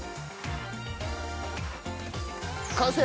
完成！